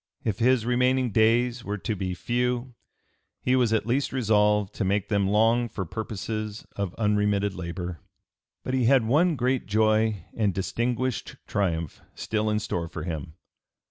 If his remaining days were to be few he was at least resolved to make them long for purposes of unremitted labor. But he had one great joy and distinguished triumph still in store for him.